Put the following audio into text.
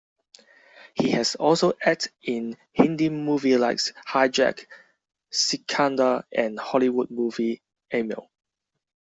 He has also acted in Hindi Movies like Hijack, Sikandar and Hollywood movie Amal.